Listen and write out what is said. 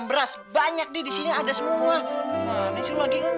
cepat balasin naik ke si roda